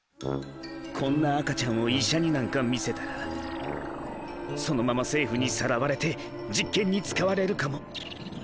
こんな赤ちゃんを医者になんか診せたらそのまま政府にさらわれて実験に使われるかも。